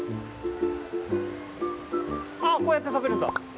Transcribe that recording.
あっこうやって食べるんだ。